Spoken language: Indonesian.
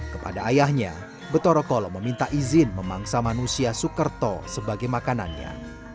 kepada ayahnya betorokolo meminta izin memangsa manusia sukerto sebagai makanannya